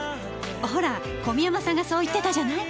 ほら小宮山さんがそう言ってたじゃない。